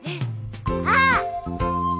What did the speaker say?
あっ！